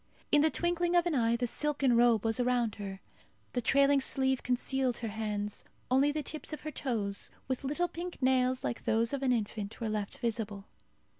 In the twinkling of an eye the silken robe was around her. The trailing sleeve concealed her hands; only the tips of her toes, with little pink nails like those of an infant, were left visible.